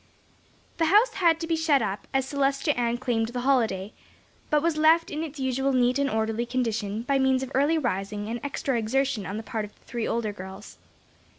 The house had to be shut up, as Celestia Ann claimed the holiday, but was left in its usual neat and orderly condition, by means of early rising and extra exertion on the part of the three older girls.